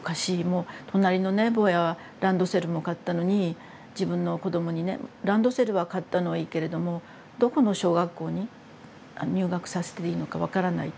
もう隣のね坊やはランドセルも買ったのに自分の子どもにねランドセルは買ったのはいいけれどもどこの小学校に入学させていいのか分からない。